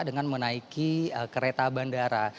dengan menaiki kereta bandara